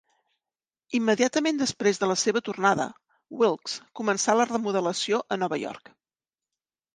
Immediatament després de la seva tornada, "Wilkes" començà la remodelació a Nova York.